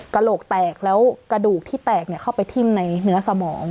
กระโหลกแตกแล้วกระดูกที่แตกเข้าไปทิ้มในเนื้อสมอง